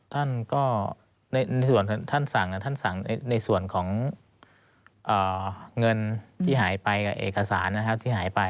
ท่านก็ท่านสั่งในส่วนของเงินที่หายไปเอกสารนะครับที่หายไป